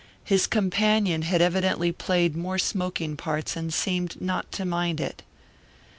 His companion had evidently played more smoking parts and seemed not to mind it.